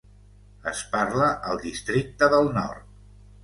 Es parla al Districte del Nord.